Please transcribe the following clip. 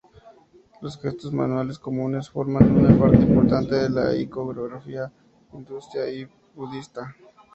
Los gestos manuales comunes forman una parte importante de la iconografía hinduista y budista.